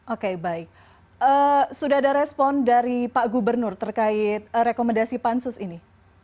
oke baik sudah ada respon dari pak gubernur terkait rekomendasi pansus ini